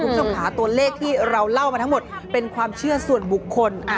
คุณผู้ชมค่ะตัวเลขที่เราเล่ามาทั้งหมดเป็นความเชื่อส่วนบุคคล